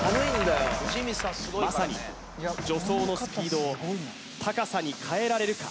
まさに助走のスピードを高さに変えられるか？